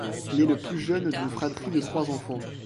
Il est le plus jeune d'une fratrie de trois enfants.